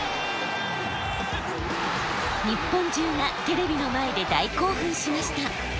日本中がテレビの前で大興奮しました。